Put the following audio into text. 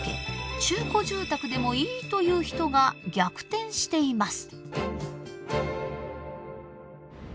中古住宅でもいいという人が逆転しています。